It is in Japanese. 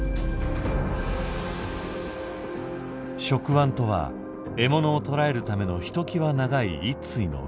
触腕とは獲物を捕らえるためのひときわ長い一対の腕。